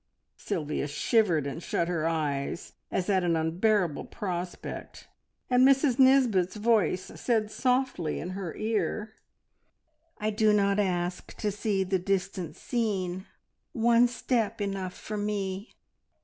Sylvia shivered and shut her eyes as at an unbearable prospect, and Mrs Nisbet's voice said softly in her ear "`I do not ask to see the distant scene. One step enough for me!'